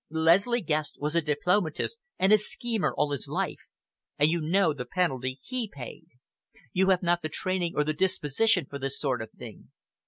"Leslie Guest was a diplomatist and a schemer all his life, and you know the penalty he paid. You have not the training or the disposition for this sort of thing.